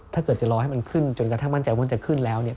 ถ้าเกิดจะรอให้มันขึ้นจนกระทั่งมั่นใจว่าจะขึ้นแล้วเนี่ย